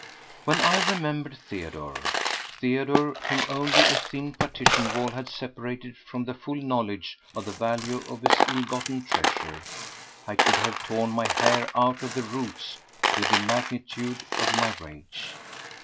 5. When I remembered Theodore—Theodore, whom only a thin partition wall had separated from the full knowledge of the value of his ill gotten treasure!—I could have torn my hair out by the roots with the magnitude of my rage.